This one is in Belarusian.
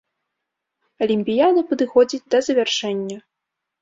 Алімпіяда падыходзіць да завяршэння.